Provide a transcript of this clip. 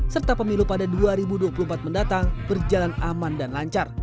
serta pemilu pada dua ribu dua puluh empat mendatang berjalan aman dan lancar